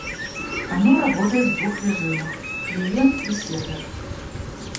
Оно работает в двух режимах: клиент и сервер